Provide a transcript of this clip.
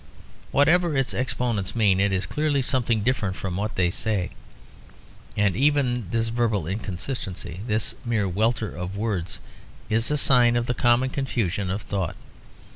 Whatever its exponents mean, it is clearly something different from what they say; and even this verbal inconsistency, this mere welter of words, is a sign of the common confusion of thought.